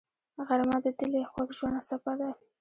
غرمه د دلي خوږ ژوند څپه ده